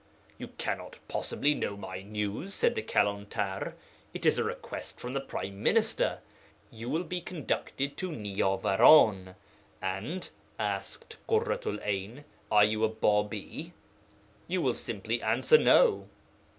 "You cannot possibly know my news," said the Ḳalantar; "it is a request from the Prime Minister. You will be conducted to Niyavaran, and asked, 'Ḳurratu'l 'Ayn, are you a Bābī?' You will simply answer, 'No.'